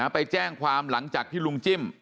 ไปแจ้งความหลังจากที่ลุงจิ้ม